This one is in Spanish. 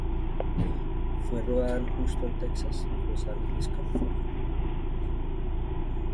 Fue rodada en Houston, Texas, y Los Ángeles, California.